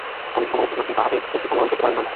অনেক সমালোচক নাকি তাহাতে অশ্রুসম্বরণ করিতে পারেন নাই।